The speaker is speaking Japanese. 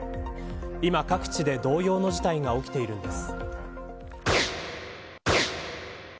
今、各地で同様の事態が起きているんです。